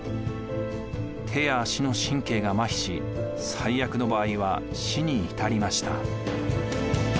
手や足の神経がまひし最悪の場合は死に至りました。